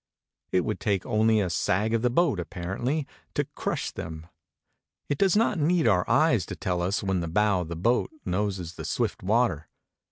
It would take only a sag of the boat, apparently, to crush them. It does not need our eyes to tell us when the bow of the boat noses the swift water.